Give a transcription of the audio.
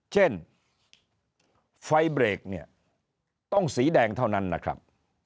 เช่นไฟเบรกเนี่ยต้องสีแดงเท่านั้นนะครับ